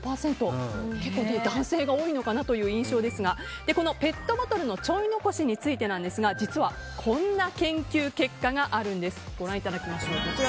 結構男性が多いのかなという印象ですがこのペットボトルのちょい残しについて実は、こんな研究結果があるんです。